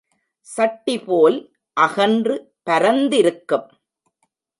சட்டிபோல் அகன்று பரந்திருக்கும்.